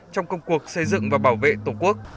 trong công cuộc xây dựng và bảo vệ tổ quốc